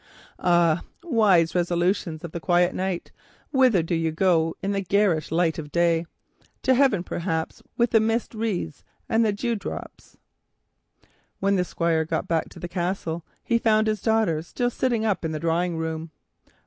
Ah, wise resolutions of the quiet night, whither do you go in the garish light of day? To heaven, perhaps, with the mist wreaths and the dew drops. When the Squire got back to the castle, he found his daughter still sitting in the drawing room.